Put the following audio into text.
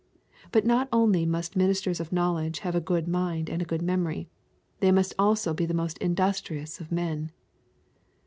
But not only must ministers of knowledge have a good mind and a good memory; they must also be the most industrious of men.